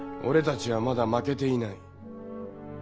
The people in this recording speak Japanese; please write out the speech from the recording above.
俺たちはまだ負けていない。